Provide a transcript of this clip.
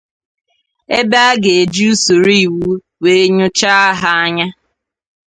ebe a ga-eji usoro iwu wee nyụchaa ha anya.